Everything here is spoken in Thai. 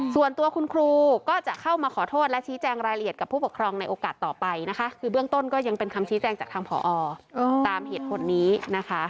ส่วนตัวคุณครูก็จะเข้ามาขอโทษและชี้แจงรายละเอียดกับผู้ปกครองในโอกาสต่อไปนะคะคือเบื้องต้นก็ยังเป็นคำชี้แจงจากทางผอตามเหตุผลนี้นะคะ